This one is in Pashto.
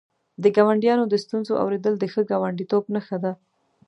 د ګاونډیانو د ستونزو اورېدل د ښه ګاونډیتوب نښه ده.